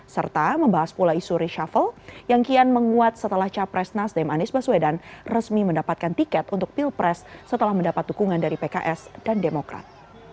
serta membahas pula isu reshuffle yang kian menguat setelah capres nasdem anies baswedan resmi mendapatkan tiket untuk pilpres setelah mendapat dukungan dari pks dan demokrat